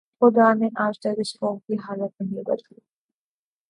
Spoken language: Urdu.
خدا نے آج تک اس قوم کی حالت نہیں بدلی